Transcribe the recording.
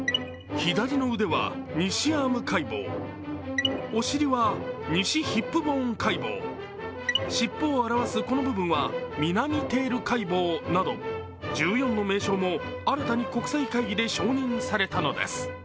左の腕は西アーム海膨、お尻は西ヒップボーン海膨、尻尾を表すこの部分は南テール海膨など１４の名称も新たに国際会議で承認されたのです。